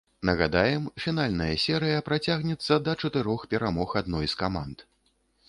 Нагадаем, фінальная серыя працягнецца да чатырох перамог адной з каманд.